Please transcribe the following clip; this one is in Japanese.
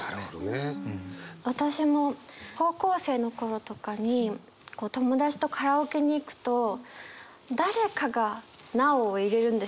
私も高校生の頃とかに友達とカラオケに行くと誰かが「ＮＡＯ」を入れるんですよね。